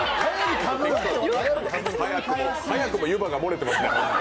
早くも湯葉が漏れてますね